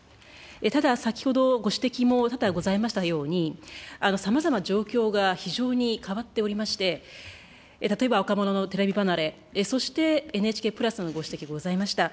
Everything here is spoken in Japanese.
ただ、先ほどご指摘も多々ございましたように、さまざま状況が非常に変わっておりまして、例えば若者のテレビ離れ、そしてＮＨＫプラスのご指摘ございました。